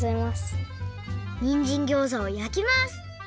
にんじんギョーザをやきます